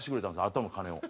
あとの金を。